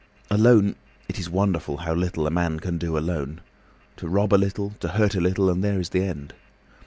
Alone—it is wonderful how little a man can do alone! To rob a little, to hurt a little, and there is the end.